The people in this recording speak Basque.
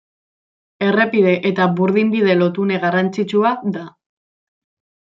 Errepide eta burdinbide lotune garrantzitsua da.